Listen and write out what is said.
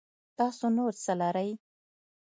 تاسو نور څه لرئ